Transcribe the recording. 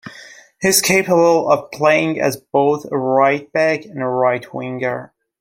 He is capable of playing as both a right back and a right winger.